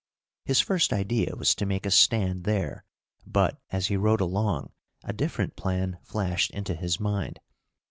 His first idea was to make a stand there, but, as he rode along, a different plan flashed into his mind.